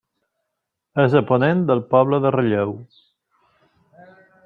És a ponent del poble de Ralleu.